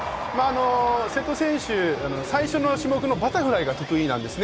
瀬戸選手、最初の種目のバタフライが得意なんですね。